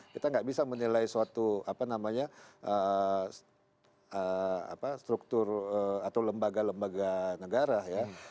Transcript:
kita nggak bisa menilai suatu apa namanya struktur atau lembaga lembaga negara ya